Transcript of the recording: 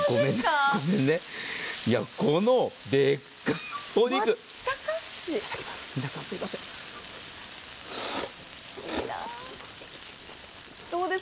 このでっかいお肉、いただきます。